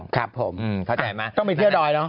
ครับผมเข้าใจมั้ยต้องมีเที่ยวดอยเนาะ